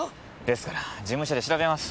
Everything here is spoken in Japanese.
ですから事務所で調べます。